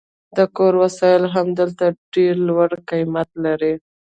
د کور وسایل هم هلته ډیر لوړ قیمت لري